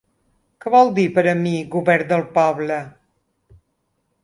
Què vol dir per a mi ‘govern del poble’?